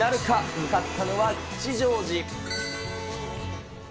向かったのは吉祥寺。